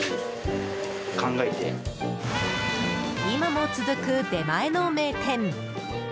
今も続く、出前の名店。